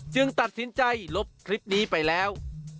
ตัดสินใจลบคลิปนี้ไปแล้ว